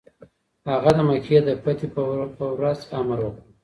هغه د مکې د فتحې پر ورځ امر وکړ.